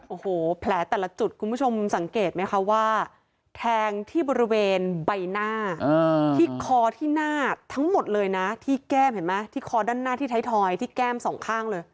โอ้โหแผลแต่ละจุดคุณผู้ชมสังเกตไหมคะว่าแทงที่บริเวณใบหน้าที่คอที่หน้าทั้งหมดเลยนะที่แก้มเห็นไหมที่คอด้านหน้าที่ไทยทอยที่แก้มสองข้างเลย